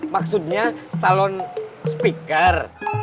maksudnya salon speaker